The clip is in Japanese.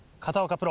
プロ。